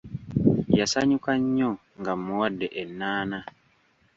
Yasanyuka nnyo nga mmuwadde ennaana.